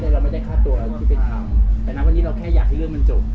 เราไม่ได้คาดตัวอะไรที่เป็นคำแต่นั้นวันนี้เราแค่อยากให้เรื่องมันจบ